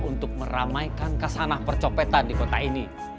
untuk meramaikan kasanah percopetan di kota ini